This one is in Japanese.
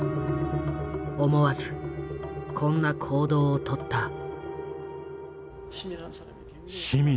思わずこんな行動をとった。